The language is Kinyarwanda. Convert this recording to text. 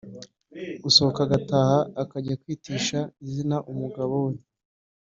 gusohoka agataha akajya kwitisha izina ku mugabo we.